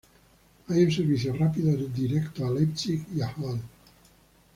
Hay un servicio rápido directo a Leipzig y a Halle.